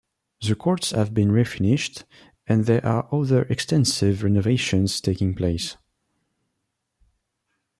The courts have been refinished, and there are other extensive renovations taking place.